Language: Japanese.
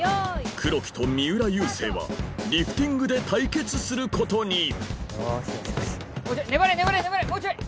黒木と三浦佑星はリフティングで対決することによしよし